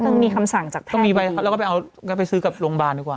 ต้องมีคำสั่งจากแพทย์ต้องมีให้ไปซื้อกับโรงพยาบาลด้วย